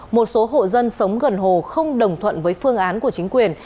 một số hộ dân sống gần hồ không đồng thuận với phương án của chính quyền